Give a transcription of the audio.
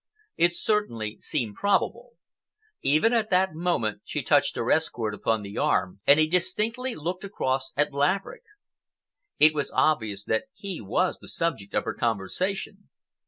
It certainly seemed probable. Even at that moment she touched her escort upon the arm, and he distinctly looked across at Laverick. It was obvious that he was the subject of her conversation.